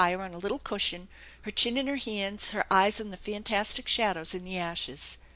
on a little cushion, her chin in her hands, her eyes on thd fantastic shadows in the ashes.